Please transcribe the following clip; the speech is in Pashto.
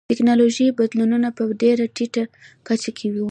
ټکنالوژیکي بدلونونه په ډېره ټیټه کچه کې و